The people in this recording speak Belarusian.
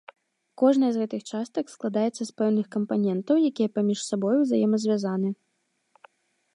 Кожная з гэтых частак складаецца з пэўных кампанентаў, якія паміж сабой узаемазвязаны.